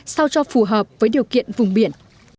sao cho phù hợp với điều kiện vùng biển